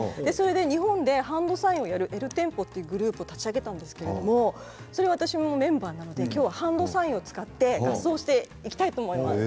日本でハンドサインをやるｅｌｔｅｍｐｏエルテンポというグループを立ち上げたんですけれど私もメンバーなのでハンドサインを使って合奏していきたいと思います。